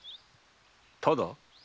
ただ？